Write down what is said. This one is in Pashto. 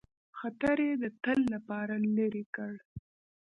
خطر د تل لپاره لیري کړ.